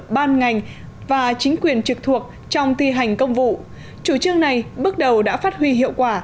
ban ngành và chính quyền trực thuộc trong thi hành công vụ chủ trương này bước đầu đã phát huy hiệu quả